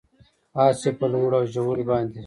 اس یې په لوړو اوژورو باندې،